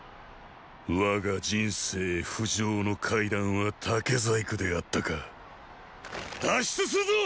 我が人生浮上の階段は竹細工であったか脱出するぞ！